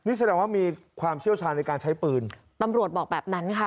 นี่แสดงว่ามีความเชี่ยวชาญในการใช้ปืนตำรวจบอกแบบนั้นค่ะ